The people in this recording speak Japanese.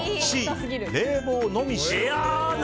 Ｃ、冷房のみ使用。